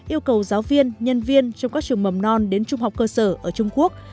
yêu cầu giáo viên nhân viên trong các trường mầm non đến trung học cơ sở ở trung quốc